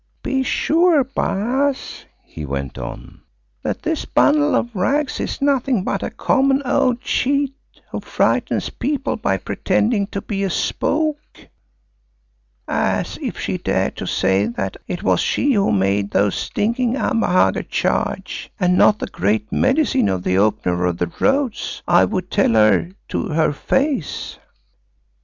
"Be sure Baas," he went on, "that this bundle of rags is nothing but a common old cheat who frightens people by pretending to be a spook, as, if she dared to say that it was she who made those stinking Amahagger charge, and not the Great Medicine of the Opener of Roads, I would tell her to her face."